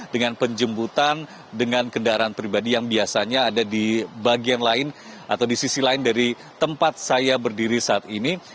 dengan penjemputan dengan kendaraan pribadi yang biasanya ada di bagian lain atau di sisi lain dari tempat saya berdiri saat ini